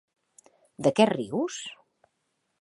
De què rius?